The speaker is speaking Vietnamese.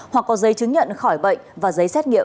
hoặc có giấy chứng nhận khỏi bệnh và giấy xét nghiệm